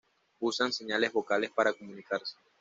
Usan señales vocales para comunicarse.